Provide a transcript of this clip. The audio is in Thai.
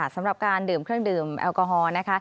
สำหรับการดื่มเครื่องดื่มแอลกอฮอล์นะคะ